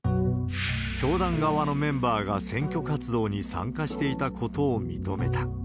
教団側のメンバーが選挙活動に参加していたことを認めた。